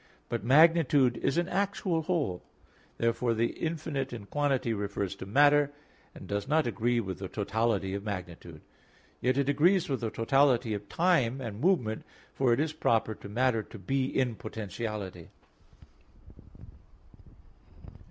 But magnitude is an actual whole; therefore the infinite in quantity refers to matter, and does not agree with the totality of magnitude; yet it agrees with the totality of time and movement: for it is proper to matter to be in potentiality.